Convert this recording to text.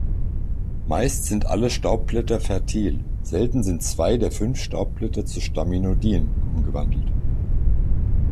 Meist sind alle Staubblätter fertil; selten sind zwei der fünf Staubblätter zu Staminodien umgewandelt.